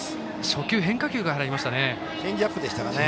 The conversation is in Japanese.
初球、変化球から入りましたね。